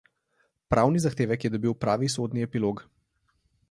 Pravni zahtevek je dobil pravi sodni epilog.